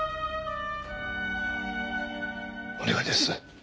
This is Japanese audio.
お願いです。